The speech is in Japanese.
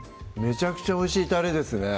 めちゃくちゃおいしいたれですね